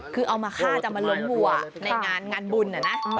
คือเอามาฆ่าจะมาล้มวัวในงานบุญนะ